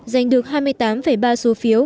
giành được hai mươi tám ba số phiếu